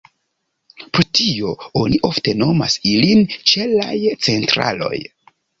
Pro tio, oni ofte nomas ilin ĉelaj "centraloj".